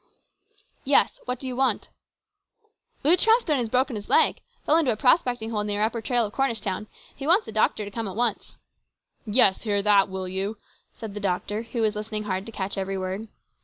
" Yes ; what do you want ?"" Lew Trethven has broken his leg. Fell into a prospecting hole near upper trail of Cornish town. He wants the doctor to come at once." " Yes ; hear that, will you !" said the doctor, who was listening hard to catch every word.